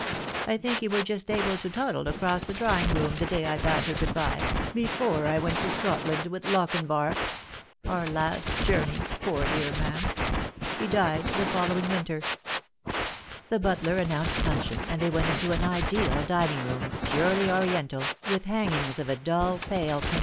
I think you were just able to toddle across the draw ing room the day I bade her good bye, before I went to Scotland with Lochinvar our last journey, poor dear man. He died the following winter." The butler announced luncheon, and they went into an ideal dining room, purely Oriental, with hangings of a dull pale pink Not Proven.